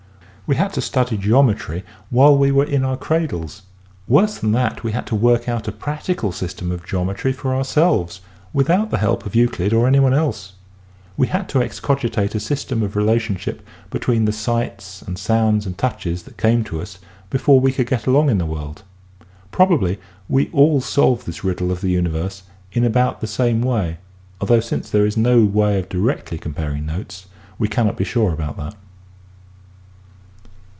We had to study geometry while we were in our cradles — worse than that we had to work out a practi cal system of geometry for ourselves without the help of Euclid or anyone else. We had to excogitate a system of relationship between the sights and sounds and touches that came to us before we could get along in the world. Probably we all solve this riddle of the universe in about the same way although since there is no way of directly comparing notes we cannot be sure about that.